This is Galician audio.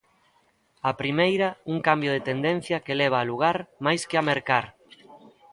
A primeira, un cambio de tendencia que leva a alugar máis que a mercar.